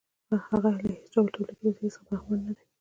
هغه له هېڅ ډول تولیدي وسیلې څخه برخمن نه دی